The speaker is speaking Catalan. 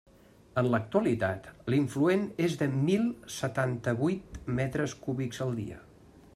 En l'actualitat, l'influent és de mil setanta-huit metres cúbics al dia.